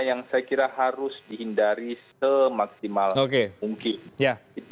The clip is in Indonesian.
yang saya kira harus dihindari semaksimal mungkin